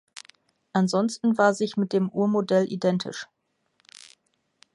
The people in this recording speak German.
Ansonsten war sich mit dem Urmodell identisch.